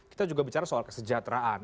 kita juga bicara soal kesejahteraan